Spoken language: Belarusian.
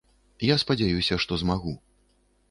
Я спадзяюся, што змагу.